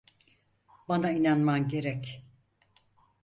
Bana inanman gerek.